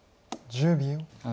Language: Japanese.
１０秒。